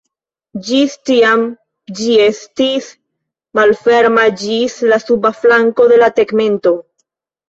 Ĝis tiam ĝi estis malferma ĝis la suba flanko de la tegmento.